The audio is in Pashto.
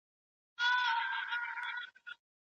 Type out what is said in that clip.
دا اثر دوه امریکایي لیکوالو لیکلی و.